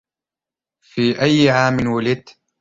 في أي عام ولدت؟